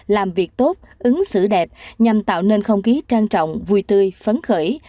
làm việc tốt ứng xử đẹp nhằm tạo nên không khí trang trọng vui tươi phấn khởi